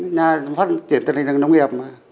nhà phát triển từ nông nghiệp